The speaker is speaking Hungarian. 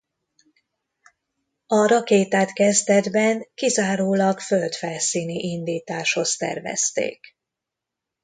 A rakétát kezdetben kizárólag földfelszíni indításhoz tervezték.